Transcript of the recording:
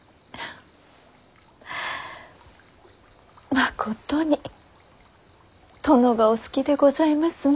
まことに殿がお好きでございますな。